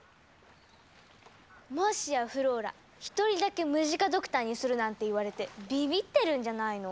もしやフローラ１人だけムジカドクターにするなんて言われてびびってるんじゃないの？